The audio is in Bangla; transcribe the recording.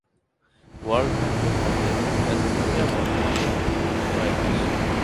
ওয়ার্ল্ড ব্যাংকের মতে এস্তোনিয়া বর্তমানে একটি উচ্চ-আয় দেশ।